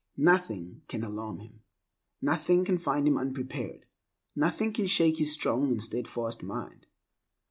Nothing can alarm him, nothing can find him unprepared, nothing can shake his strong and steadfast mind.